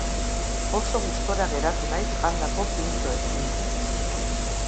Oso gustura geratu naiz jandako pintxoekin.